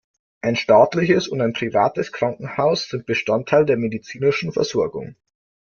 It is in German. Ein staatliches und ein privates Krankenhaus sind Bestandteil der medizinischen Versorgung.